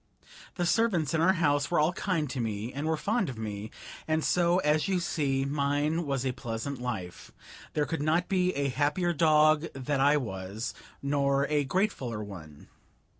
The servants in our house were all kind to me and were fond of me, and so, as you see, mine was a pleasant life. There could not be a happier dog that I was, nor a gratefuller one.